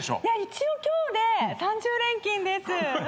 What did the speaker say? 一応今日で３０連勤です。